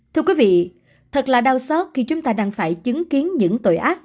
thưa quý vị thật là đau xót khi chúng ta đang phải chứng kiến những tội ác